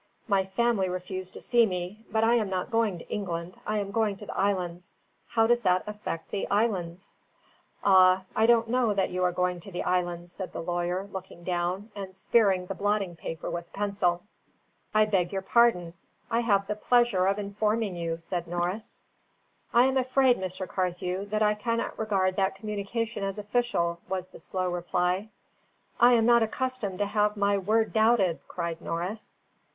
My family refuse to see me; but I am not going to England, I am going to the islands. How does that affect the islands?" "Ah, but I don't know that you are going to the islands," said the lawyer, looking down, and spearing the blotting paper with a pencil. "I beg your pardon. I have the pleasure of informing you," said Norris. "I am afraid, Mr. Carthew, that I cannot regard that communication as official," was the slow reply. "I am not accustomed to have my word doubted!" cried Norris.